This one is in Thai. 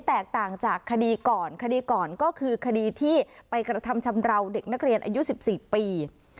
แตกต่างจากคดีก่อนคดีก่อนก็คือคดีที่ไปกระทำชำราวเด็กนักเรียนอายุ๑๔ปี